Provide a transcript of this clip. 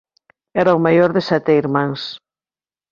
Era o maior de sete irmáns.